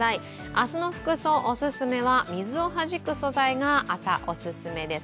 明日の服装、お勧めは水をはじく素材が、朝、おすすめです。